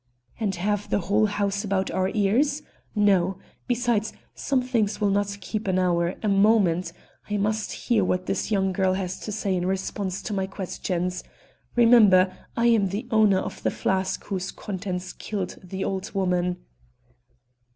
"And have the whole house about our ears? No. Besides, some things will not keep an hour, a moment. I must hear what this young girl has to say in response to my questions. Remember, I am the owner of the flask whose contents killed the old woman!"